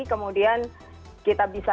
kemudian kita bisa